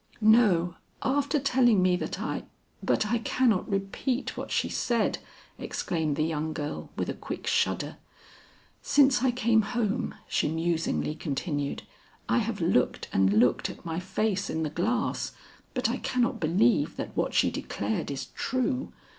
"No; after telling me that I But I cannot repeat what she said," exclaimed the young girl with a quick shudder. "Since I came home," she musingly continued, "I have looked and looked at my face in the glass, but I cannot believe that what she declared is true.